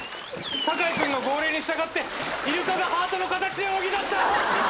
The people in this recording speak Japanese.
酒井君の号令に従ってイルカがハートの形を生み出した！